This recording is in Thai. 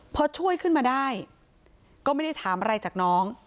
พอช่วยขึ้นมาได้ก็ไม่ได้ถามอะไรจากน้อง